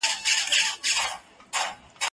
کتابتوني کار د مور له خوا کيږي!.